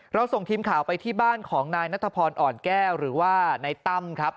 ส่งทีมข่าวไปที่บ้านของนายนัทพรอ่อนแก้วหรือว่านายตั้มครับ